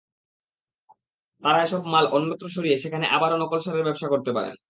তাঁরা এসব মাল অন্যত্র সরিয়ে সেখানে আবারও নকল সারের ব্যবসা করতে পারেন।